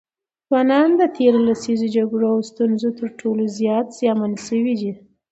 ځوانان د تېرو لسیزو جګړو او ستونزو تر ټولو زیات زیانمن سوي دي.